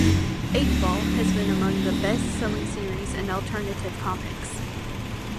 "Eightball" has been among the best-selling series in alternative comics.